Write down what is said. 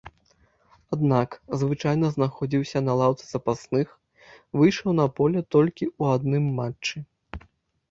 Аднак, звычайна знаходзіўся на лаўцы запасных, выйшаў на поле толькі ў адным матчы.